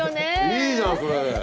いいじゃんそれ。